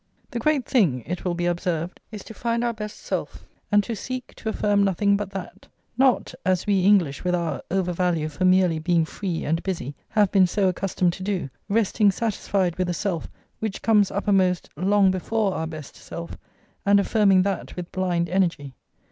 The great thing, it will be observed, is to find our best self, and to seek to affirm nothing but that; not, as we English with our over value for merely being free and busy have been so accustomed to do, resting satisfied with a self which comes uppermost long before our best self, and affirming that with blind energy.